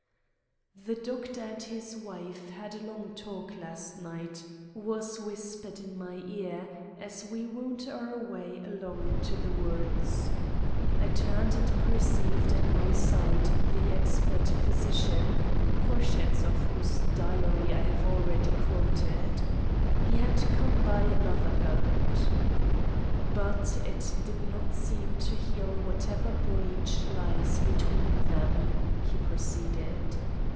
"The Doctor and his wife had a long talk last night," was whispered in my ear as we wound our way along into the woods. I turned and perceived at my side the expert physician, portions of whose diary I have already quoted. He had come by another boat. "But it did not seem to heal whatever breach lies between them," he proceeded.